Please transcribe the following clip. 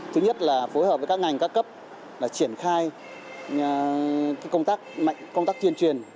thứ nhất là phối hợp với các ngành các cấp triển khai công tác tuyên truyền